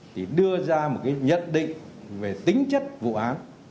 thì đưa ra một cái nhận định về tính chất vụ án